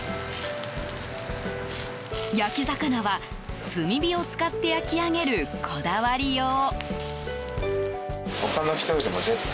焼き魚は、炭火を使って焼き上げるこだわりよう。